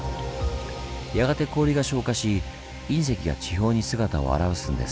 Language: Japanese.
やがて氷が昇華し隕石が地表に姿を現すんです。